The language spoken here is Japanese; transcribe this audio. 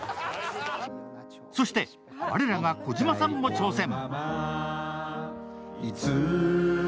そして、我らが児嶋さんも挑戦。